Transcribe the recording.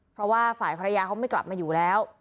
เพราะว่าฝ่ายภรรยาเขาไม่กลับมาอยู่แล้ว